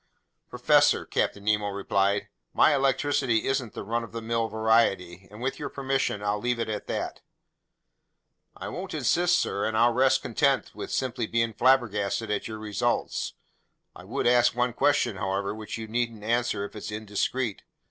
"Professor," Captain Nemo replied, "my electricity isn't the run of the mill variety, and with your permission, I'll leave it at that." "I won't insist, sir, and I'll rest content with simply being flabbergasted at your results. I would ask one question, however, which you needn't answer if it's indiscreet.